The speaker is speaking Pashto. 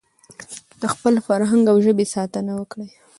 د خپل فرهنګ او ژبې ساتنه وکړئ.